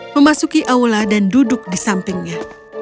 memasuki aula dan duduk di sampingnya